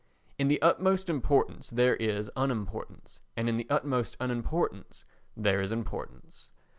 In the utmost importance there is unimportance, and in the utmost unimportance there is importance.